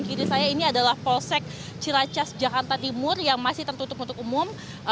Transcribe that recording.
kiri saya ini adalah polsek ciracas jakarta timur yang masih tertutup untuk umum